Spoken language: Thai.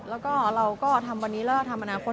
แล้วก็เราก็ทำวันนี้แล้วก็ทำอนาคต